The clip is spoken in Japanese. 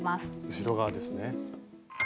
後ろ側ですね。